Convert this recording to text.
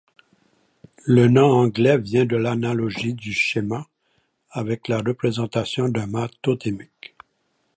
Le nom anglais vient de l'analogie du schéma avec la représentation d'un mât totémique.